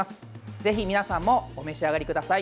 ぜひ、皆さんもお召し上がりください。